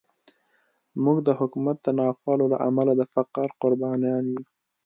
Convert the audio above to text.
موږ د حکومت د ناخوالو له امله د فقر قربانیان یو.